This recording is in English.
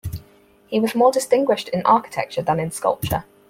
He was more distinguished in architecture than in sculpture.